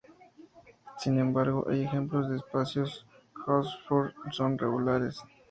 Sin embargo, hay ejemplos de espacios Hausdorff no regulares.